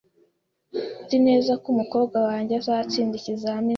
Nzi neza ko umukobwa wanjye azatsinda ikizamini